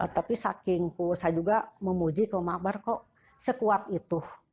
tapi sakingku saya juga memuji ke makbar kok sekuat itu